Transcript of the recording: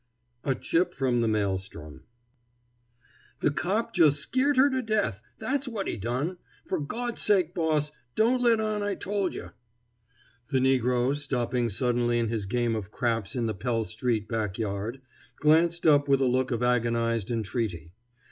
A CHIP FROM THE MAELSTROM "The cop just sceert her to death, that's what he done. For Gawd's sake, boss, don't let on I tole you." The negro, stopping suddenly in his game of craps in the Pell street back yard, glanced up with a look of agonized entreaty.